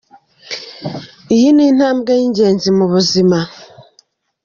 Iyi ni intambwe y’ingenzi mu buzima.